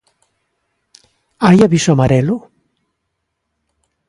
Hai aviso amarelo?